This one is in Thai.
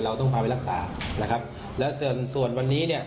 เราต้องพาไปรักษานะครับแล้วส่วนส่วนวันนี้เนี่ย